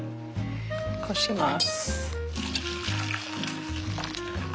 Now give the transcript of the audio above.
こします。